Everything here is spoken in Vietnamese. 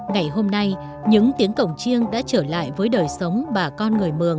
ngày hôm nay những tiếng cổng chiêng đã trở lại với đời sống bà con người mường